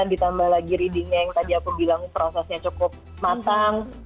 ditambah lagi readingnya yang tadi aku bilang prosesnya cukup matang